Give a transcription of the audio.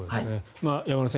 山村さん